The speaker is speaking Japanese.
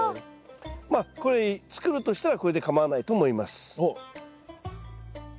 まあこれ作るとしたらこれでかまわないと思います。